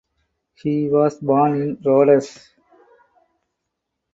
He was born in Rodez.